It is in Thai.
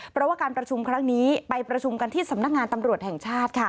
เพราะว่าการประชุมครั้งนี้ไปประชุมกันที่สำนักงานตำรวจแห่งชาติค่ะ